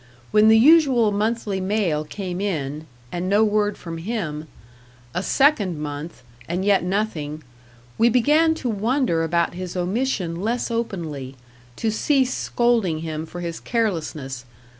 When the usual monthly mail came in, and no word from him a second month, and yet nothing, we began to wonder about his omission less openly to cease scolding him for his carelessness.